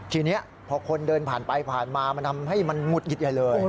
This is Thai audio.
ทีนี้พอคนเดินผ่านไปผ่านมามันทำให้มันหุดหงิดใหญ่เลย